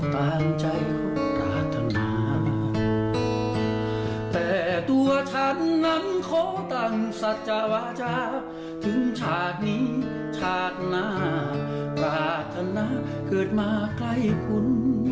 แต่ตัวฉันนำโคตรังสัจจาวาจาถึงชาตินี้ชาติหน้าปราธนาเกิดมาใกล้คุณ